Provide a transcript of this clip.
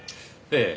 ええ。